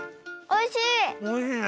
おいしいね！